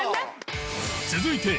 続いて